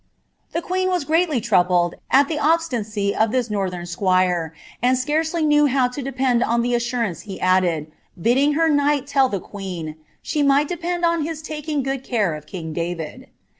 The queen was greatly troubled at the obstinacy of this northern quire, and scarcely knew how to depend on the assurance he added, adding her knight tell the queen, ^ she might depend on his taking good are of king David."